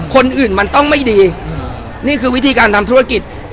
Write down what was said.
คนอื่นมันต้องไม่ดีนี่คือวิธีการทำธุรกิจ